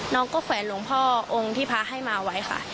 น้องก็แขวนหลวงพ่อองค์ที่พระให้มาไว้ค่ะ